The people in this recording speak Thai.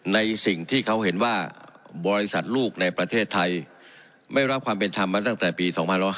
ในสิ่งที่เขาเห็นว่าบริษัทลูกในประเทศไทยไม่รับความเป็นธรรมมาตั้งแต่ปี๒๕๕๙